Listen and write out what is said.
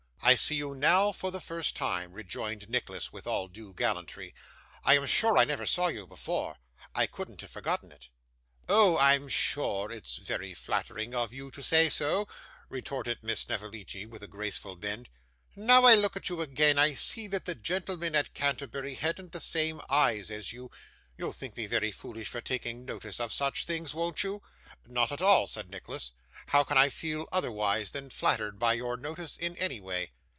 'I see you now for the first time,' rejoined Nicholas with all due gallantry. 'I am sure I never saw you before; I couldn't have forgotten it.' 'Oh, I'm sure it's very flattering of you to say so,' retorted Miss Snevellicci with a graceful bend. 'Now I look at you again, I see that the gentleman at Canterbury hadn't the same eyes as you you'll think me very foolish for taking notice of such things, won't you?' 'Not at all,' said Nicholas. 'How can I feel otherwise than flattered by your notice in any way?